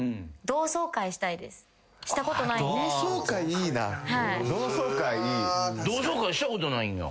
同窓会したことないんや。